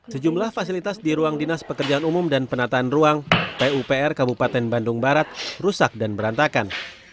sejumlah fasilitas di ruang dinas pekerjaan umum dan penataan ruang pupr kabupaten bandung barat rusak dan berantakan